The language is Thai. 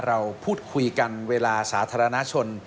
เราพูดคุยกันเวลาสาธารณชน